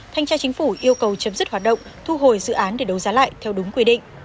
thanh tra chính phủ yêu cầu chấm dứt hoạt động thu hồi dự án để đấu giá lại theo đúng quy định